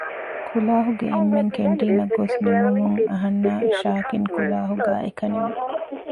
ކުލާހުގެ އެންމެން ކެންޓީނަށް ގޮސް ނިމުމުން އަހަންނާ ޝާކިން ކުލާހުގައި އެކަނިވި